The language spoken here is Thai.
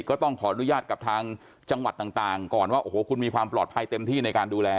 ก็ต้องขออนุญาตกับทางจังหวัดต่างก่อนว่าโอ้โหคุณมีความปลอดภัยเต็มที่ในการดูแล